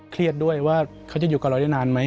เครียดด้วยว่าเขาจะอยู่กับเราได้นานไหม